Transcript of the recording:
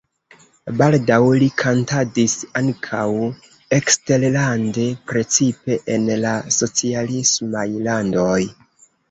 Baldaŭ li kantadis ankaŭ eksterlande, precipe en la socialismaj landoj.